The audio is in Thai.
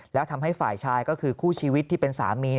แล้วทำให้ฝ่ายชายก็คือคู่ชีวิตที่เป็นสามี